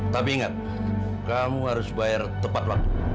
tapi ingat kamu harus bayar tepat waktu